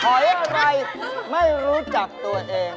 หอยอะไรไม่รู้จักตัวเอง